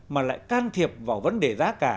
mà lại can thiệp vào vấn đề giá cả